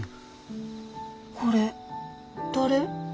これ誰？